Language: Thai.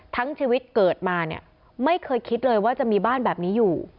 ทั้งชีวิตเกิดมาเนี่ยไม่เคยคิดเลยว่าจะมีบ้านแบบนี้อยู่